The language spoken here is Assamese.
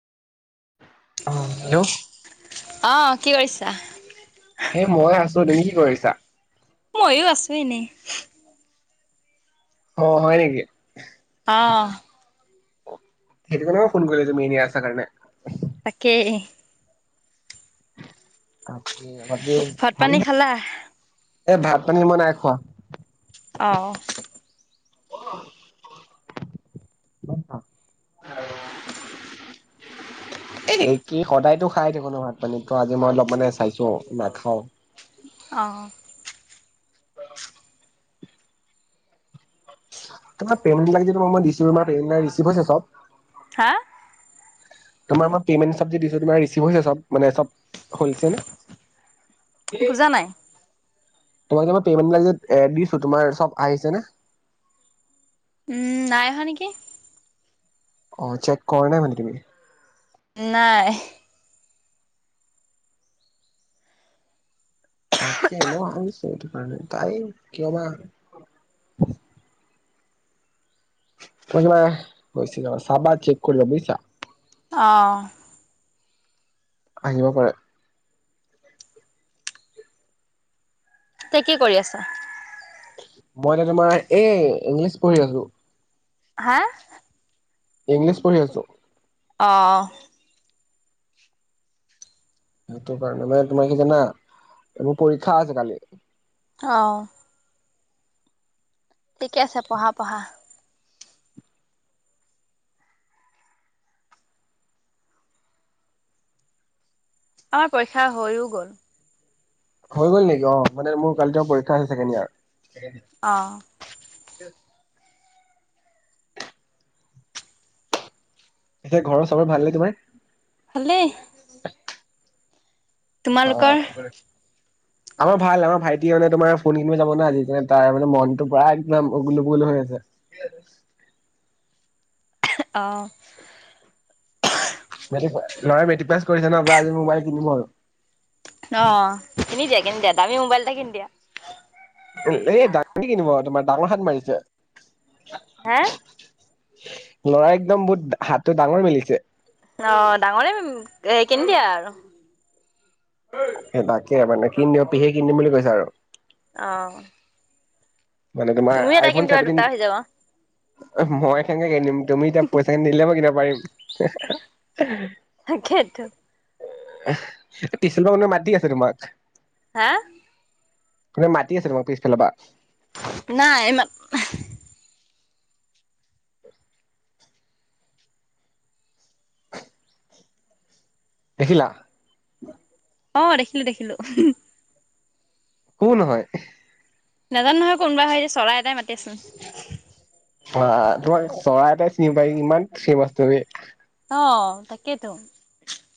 অ', হেল্ল' অ' কি কৰিছা? হে মই আছো, তুমি কি কৰিছা? ময়ো আছো এনেই। অ! হয় নেকি? অ! সেইটো কাৰণে মই ফোন কৰি আছোঁ, তুমি এনেই আছা কাৰণে। তাকে। অ! বাকী, ভাত পানী ভালনে? খালা? এ ভাত, পানী মই নাই খোৱা। অ ' অ' কি সদায়তো খাই থাকো ন ভাত -, তো আজি মই অলপ মানে চাইছো নাখাও। অ! তোমাৰ পেমেণ্ট বিলাগ যে তোমাক মই দিছিলোঁ, তোমাৰ পেমেণ্ট বিলাগ ৰেচিভদ হৈছে চব? হা? তোমাৰ মই পেমেণ্ট চব যে দিছো? তোমাৰ ৰিচিভ হৈছে চব মানে চব? হৈছে নে? বুজা নাই? তোমাক যে মই পেমেন্ত বিলাগ দিছোঁ, তোমাৰ চব আহিছেনে। উম! নাই অহা নেকি? অ! চেক কৰা নাই মানে তুমি? নাই। তাকে মই ভাবিছোঁ সেইটো কাৰনে, তাই কিয় বা? চাবা চেক কৰিবা, বুজিছা? অ! আহিব পাৰে। ত! কি কৰি আছা? মই এতিয়া তোমাৰ, এই ইংলিছ পঢ়ি আছো। হা? ইংলিছ পঢ়ি আছো। অ! সেইটো কাৰণে মানে তোমাৰ কি জানা, এইবোৰ পৰীক্ষা আছে কালি। অ! ঠিকে আছে, পঢ়া পঢ়া। আমাৰ পৰীক্ষা হৈয়ও গ'ল,। হৈ গ'ল নেকি? অ! মানে মোৰ কালি পৰীক্ষা আছে ছেকেণ্ড এয়ৰৰ। অ' স [inaudible] এতিয়া, ঘৰৰ চবৰে ভাল নে তোমাৰ? হালে অ আমাৰ ভাল আমাৰ ভাইটি মানে তোমাৰ ফোন কিনি যাব ন আজিালি তাৰ মানে মনটো পুৰা একদম উগলগল হৈ আছে অ নয় মেটি পাছ কৰিছে ন আজি মোবাইল কিনম আৰু অ' কিনি দিয়া দিয়া দমি মোবাইলটা কিনি দিয়া এ দাঙ কিনিব তোমাৰ ডাঙৰ হাত মাৰিছে হা [inaudible] লৰা একদম বহুত হাতটো ডাঙৰ মেলিছে অ ডাঙৰে কিন দিয়া আৰু কিন দিম পিহে কিন দিম বুলি কৈছ আৰু আহ মানে তোমাৰ তুমিও এটা আইফোন কিনি দিবা চেভেনটিন দুটা হৈ যাব। মই কেনেকে কিনিম তুমি এতিয়া পইচাখিনি [inaudible] তাকেইতো [inaudible] [unintelligible] মাতি আছে তোমাক। হা? [unintelligible] মাতি আছে তোমাৰ পিছফালৰ পৰা। নাই ইমান দেখিলা অ দেখিলো, দেখিলো। কোন হয়? নাজানো নহয় কোনোবা হয় যে চৰাই এটাই মা [inaudible] [unintelligible] তোমাক চৰাই এটাই চিনি পায় কিমান [unintelligible] অ তাকেইতো